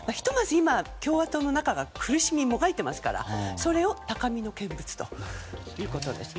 今、共和党の中が苦しみもがいていますからそれを高みの見物ということですね。